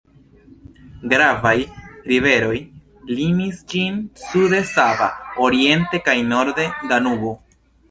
Gravaj riveroj limis ĝin: sude Sava, oriente kaj norde Danubo.